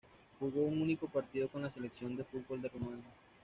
Jugó un único partido con la selección de fútbol de Rumania.